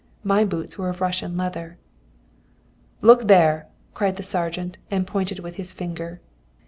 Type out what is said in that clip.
My boots were of Russian leather. "'Look there!' cried the sergeant, and he pointed with his finger.